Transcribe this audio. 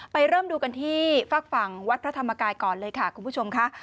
เริ่มดูกันที่ฝากฝั่งวัดพระธรรมกายก่อนเลยค่ะคุณผู้ชมค่ะ